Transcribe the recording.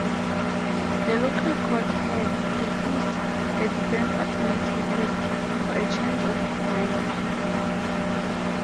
The local court had refused the defense attorney's request for a change of venue.